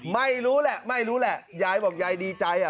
ไม่รู้แหละไม่รู้แหละยายบอกยายดีใจอ่ะ